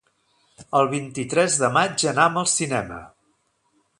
El vint-i-tres de maig anam al cinema.